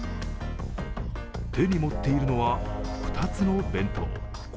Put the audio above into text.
手に持っているのは２つの弁当。